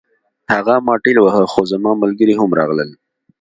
هغه ما ټېل واهه خو زما ملګري هم راغلل